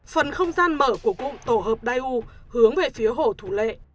phần không gian mở của cụm tổ hợp dai u hướng về phía hổ thủ lệ